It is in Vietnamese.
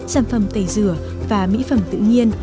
sản phẩm tẩy rửa và mỹ phẩm tự nhiên